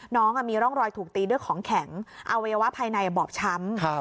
น้องมีร่องรอยถูกตีด้วยของแข็งอวัยวะภายในบอบช้ำ